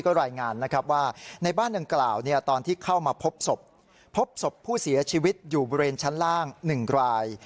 ก็รายงานนะครับว่าในบ้านดังกล่าวตอนที่เข้ามาพบศพพบศพผู้เสียชีวิตอยู่บริเวณชั้นล่าง๑ราย